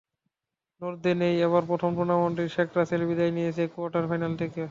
নর্দে নেই, এবার প্রথম টুর্নামেন্টেই শেখ রাসেল বিদায় নিয়েছে কোয়ার্টার ফাইনাল থেকে।